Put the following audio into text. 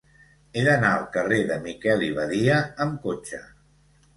He d'anar al carrer de Miquel i Badia amb cotxe.